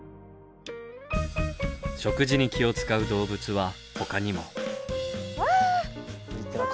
食事に気を遣う動物はほかにも。うわ！